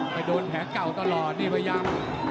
ไปโดนแผงเก่าตลอดนี่พยายาม